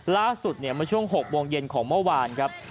ล่าสุดเมื่อช่วง๖โมงเย็นของเมื่อวานครับ